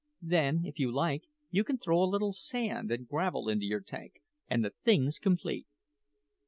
Then, if you like, you can throw a little sand and gravel into your tank, and the thing's complete."